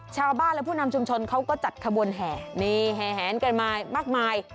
ชาวบ้านและผู้นำชุมชนเขาก็จัดขบวนแห่นี่แหนกันมามากมาย